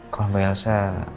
kalau mbak elsa